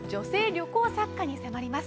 旅行作家に迫ります